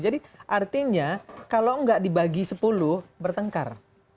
jadi artinya kalau nggak dibagi sepuluh bertengkar